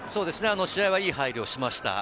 試合はいい入りをしました。